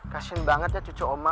kasing banget ya cucu oma